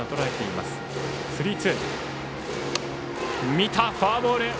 見た、フォアボール。